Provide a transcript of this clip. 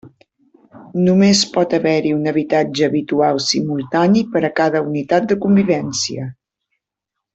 Només pot haver-hi un habitatge habitual simultani per a cada unitat de convivència.